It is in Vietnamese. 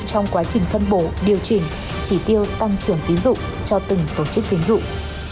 trong quá trình phân bổ điều chỉnh chỉ tiêu tăng trưởng tín dụng cho từng tổ chức tiến dụng